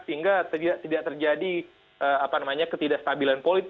sehingga tidak terjadi ketidakstabilan